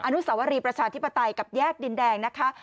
อนุสวรีประชาธิปไตยกับแยกดินแดงนะคะ